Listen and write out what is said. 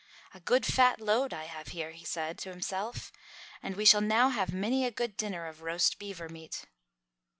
"A good fat load I have here," he said to himself, "and we shall now have many a good dinner of roast beaver meat."